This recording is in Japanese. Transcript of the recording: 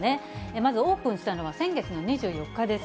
まずオープンしたのは先月の２４日です。